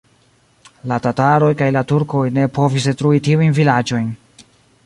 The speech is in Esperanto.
La tataroj kaj la turkoj ne povis detrui tiujn vilaĝojn.